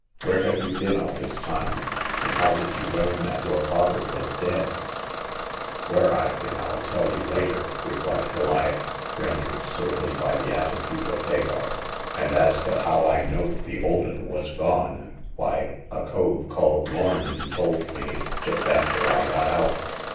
Where have you been all this time ? and how did you learn that your father was dead ?"Where I've been I'll tell you later," replied Goliath, rendered surly by the attitude of Hagar, and as to how I knowed the old 'un was gone —why, a cove called Lorn told me just after I got out."